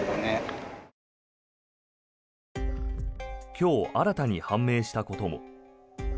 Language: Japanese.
今日、新たに判明したことも。